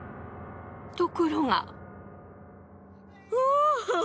ところが。